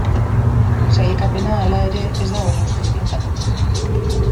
Sailkapena, hala ere, ez dago guztiz finkatuta.